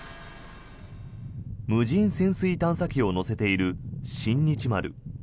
無人潜水探査機を載せている「新日丸」。